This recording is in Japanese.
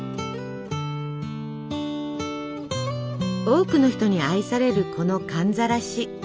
多くの人に愛されるこの寒ざらし。